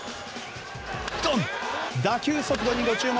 打球速度にご注目。